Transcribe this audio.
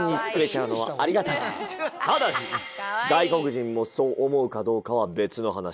ただし外国人もそう思うかどうかは別の話。